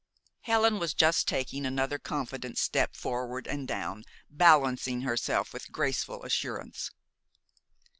Helen was just taking another confident step forward and down, balancing herself with graceful assurance.